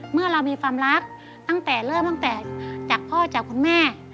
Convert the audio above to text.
เมื่อเรามีความรักหรือตั้งแต่เริ่มจากพ่อจากคุณแม่